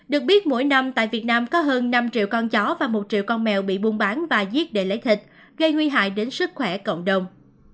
được biết mỗi năm tại việt nam có hơn năm triệu con chó và một triệu con mèo bị buôn bán và giết để lấy thịt gây nguy hại đến sức khỏe cộng đồng